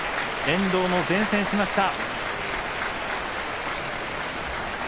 遠藤も善戦しました。